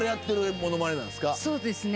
そうですね